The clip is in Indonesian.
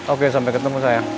oke sampai ketemu sayang